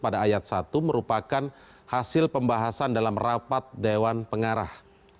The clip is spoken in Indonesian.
pada ayat satu merupakan hasil pembahasan dalam rapat dewan pengarah